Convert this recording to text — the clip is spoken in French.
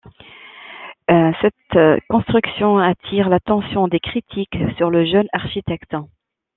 Cette construction attire l'attention des critiques sur le jeune architecte.